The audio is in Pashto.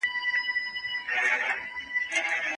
ولي هغه خلګ چي لوړ مقام غواړي باید ډیره خوله تویه کړي؟